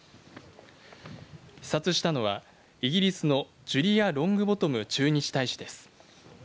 視察したのは、イギリスのジュリア・ロングボトム駐日大使です。